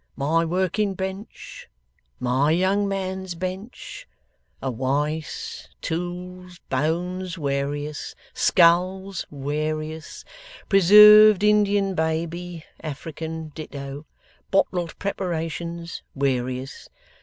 My working bench. My young man's bench. A Wice. Tools. Bones, warious. Skulls, warious. Preserved Indian baby. African ditto. Bottled preparations, warious.